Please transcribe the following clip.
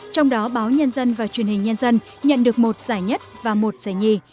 trong đó báo nhân dân và truyền hình nhân dân nhận được một giải nhất và một giải nhì